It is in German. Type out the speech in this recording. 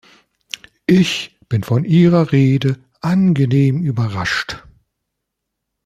Ich bin von Ihrer Rede angenehm überrascht.